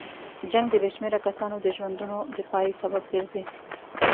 جنګ د بې شمېره کسانو د ژوندونو د پای سبب ګرځي.